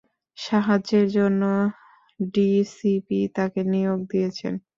সাহায্যের জন্য ডিসিপি তাকে নিয়োগ দিয়েছেন।